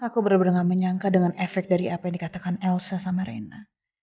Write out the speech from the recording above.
aku benar benar gak menyangka dengan efek dari apa yang dikatakan elsa sama rena